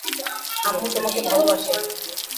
আম্মু তোমাকে ভালোবাসে।